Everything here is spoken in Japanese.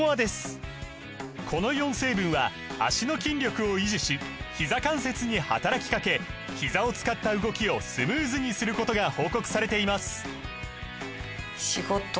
この４成分は脚の筋力を維持しひざ関節に働きかけひざを使った動きをスムーズにすることが報告されています